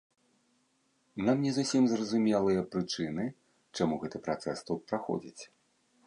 Нам не зусім зразумелыя прычыны, чаму гэты працэс тут праходзіць.